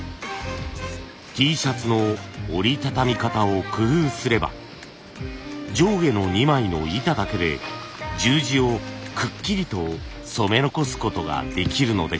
Ｔシャツの折り畳み方を工夫すれば上下の２枚の板だけで十字をくっきりと染め残すことができるのです。